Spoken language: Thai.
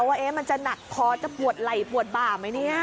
ว่ามันจะหนักคอจะปวดไหล่ปวดบ่าไหมเนี่ย